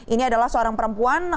ini adalah seorang perempuan